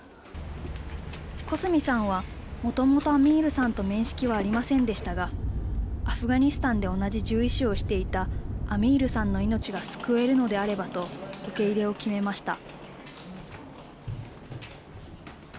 小澄さんは、もともとアミールさんと面識はありませんでしたがアフガニスタンで同じ獣医師をしていたアミールさんの命が救えるのであればと受け入れを決めました。